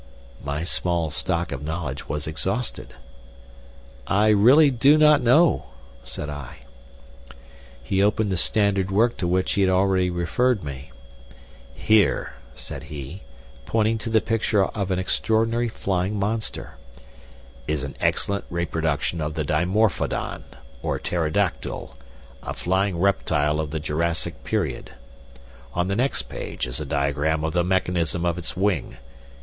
My small stock of knowledge was exhausted. "I really do not know," said I. He opened the standard work to which he had already referred me. "Here," said he, pointing to the picture of an extraordinary flying monster, "is an excellent reproduction of the dimorphodon, or pterodactyl, a flying reptile of the Jurassic period. On the next page is a diagram of the mechanism of its wing.